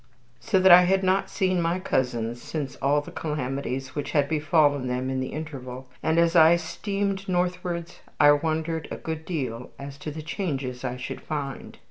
So that I had not seen my cousins since all the calamities which had befallen them in the interval, and as I steamed northwards I wondered a good deal as to the changes I should find.